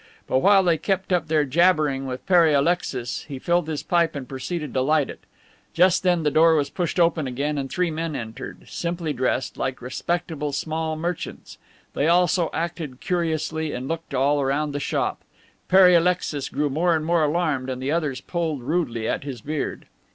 But while they kept up their jabbering with Pere Alexis he filled his pipe and proceeded to light it. Just then the door was pushed open again and three men entered, simply dressed, like respectable small merchants. They also acted curiously and looked all around the shop. Pere Alexis grew more and more alarmed and the others pulled rudely at his beard.